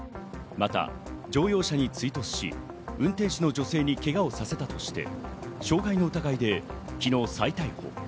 また乗用車に追突し、運転手の女性にけがをさせたとして傷害の疑いで昨日、再逮捕。